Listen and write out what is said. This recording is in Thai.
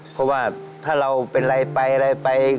เพราะว่าถ้าเราเป็นอะไรไปอะไรไป